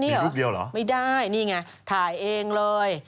นี่รูปเดียวเหรอไม่ได้นี่ไงถ่ายเองเลย